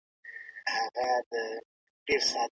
شراب پلورل داسې کسب دی چي هیڅ رخصتي نه لري.